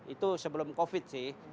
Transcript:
itu sebelum covid sih